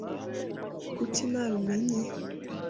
Kuki ntabimenye?